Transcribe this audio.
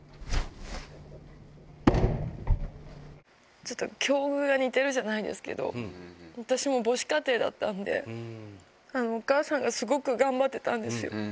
ちょっと境遇が似てるじゃないですけど、私も母子家庭だったんで、お母さんがすごく頑張ってたんですよ。